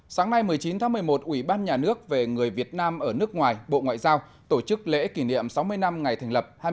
sáng nay một mươi chín tháng một mươi một ủy ban nhà nước về người việt nam ở nước ngoài bộ ngoại giao tổ chức lễ kỷ niệm sáu mươi năm ngày thành lập